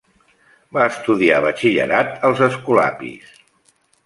Va estudiar batxillerat als escolapis.